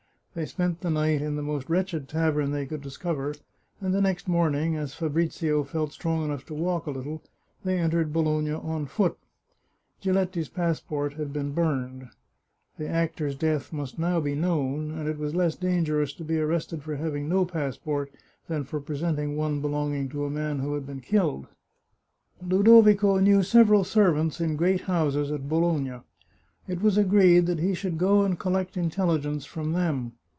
They spent the night in the most wretched tavern they could discover, and the next morning, as Fabrizio felt strong enough to walk a little, they entered Bologna on foot. Giletti's passport had been burned. The 213 The Chartreuse of Parma actor's death must now be known, and it was less dangerous to be arrested for having no passport, than for presenting one belonging to a man who had been killed. Ludovico knew several servants in great houses at Bologna. It was agreed that he should go and collect in telligence from them.